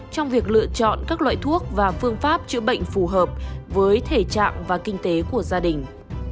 trong việc lựa chọn các loại thuốc và phương pháp chữa bệnh phù hợp với thể trạng và kinh tế của gia đình